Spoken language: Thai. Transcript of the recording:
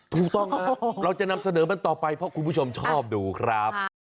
ถูกต้องครับเราจะนำเสนอมันต่อไปเพราะคุณผู้ชมชอบดูครับ